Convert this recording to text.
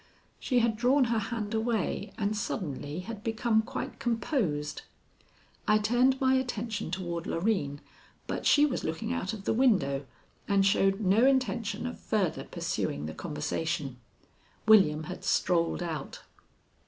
She had drawn her hand away and suddenly had become quite composed. I turned my attention toward Loreen, but she was looking out of the window and showed no intention of further pursuing the conversation. William had strolled out.